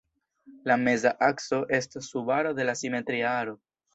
La meza akso estas subaro de la simetria aro.